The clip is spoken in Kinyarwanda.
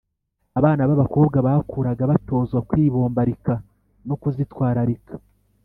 abana b’abakobwa bakuraga batozwa kwibombarika no kuzitwararika